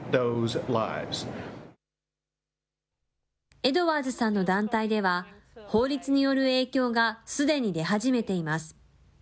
エドワーズさんの団体では、法律による影響がすでに出始めています。